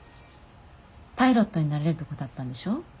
パイロットになれるとこだったんでしょ？